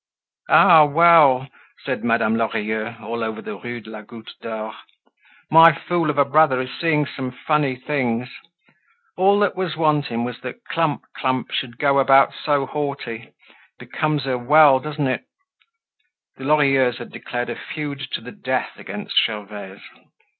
"Ah, well!" said Madame Lorilleux all over the Rue de la Goutte d'Or, "my fool of a brother is seeing some funny things! All that was wanting was that Clump clump should go about so haughty. It becomes her well, doesn't it?" The Lorilleuxs had declared a feud to the death against Gervaise.